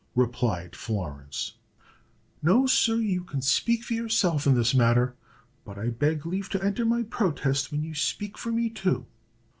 replied Florence. "No, sir; you can speak for yourself in this matter, but I beg leave to enter my protest when you speak for me too."